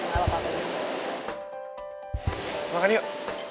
gak apa apa makan yuk